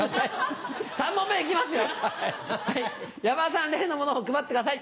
山田さん例のものを配ってください。